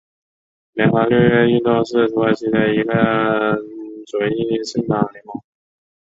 联合六月运动是土耳其的一个左翼政党联盟。